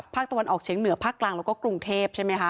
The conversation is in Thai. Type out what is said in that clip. ภาคตะวันออกเฉียงเหนือภาคกลางแล้วก็กรุงเทพใช่ไหมคะ